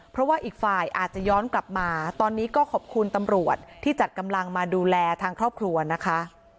เพราะว่าอีกฝ่ายอาจจะย้อนกลับมาตอนนี้ก็ขอบคุณตำรวจที่จัดกำลังมาดูแลทางครอบครัวนะคะ